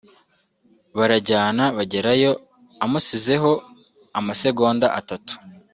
barajyana bagerayo amusizeho amasegonda atatu